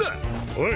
おい！